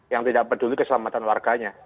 yang tidak peduli keselamatan warganya